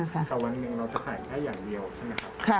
แต่วันหนึ่งเราจะขายแค่อย่างเดียวใช่ไหมครับ